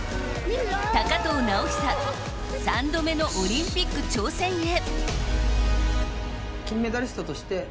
高藤直寿３度目のオリンピック挑戦へ。